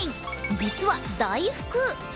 実は大福。